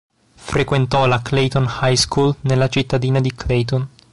Frequentò la Clayton High School nella cittadina di Clayton.